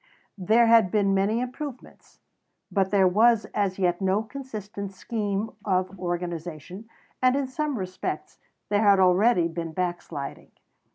There had been many improvements; but there was as yet no consistent scheme of organization, and in some respects there had already been backsliding.